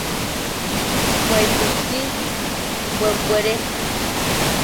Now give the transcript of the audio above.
Bweʼituk si bwebbwere.